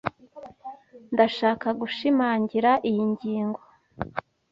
Ndashaka gushimangira iyi ngingo.